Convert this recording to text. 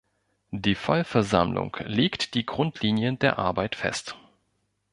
Die Vollversammlung legt die Grundlinien der Arbeit fest.